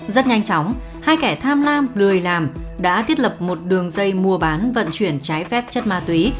rất nhanh chóng hai kẻ tham lam lười làm đã thiết lập một đường dây mua bán vận chuyển trái phép chất ma túy